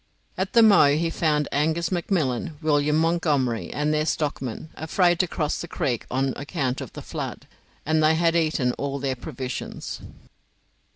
At the Moe he found Angus McMillan, William Montgomery, and their stockmen, afraid to cross the creek on account of the flood, and they had eaten all their provisions.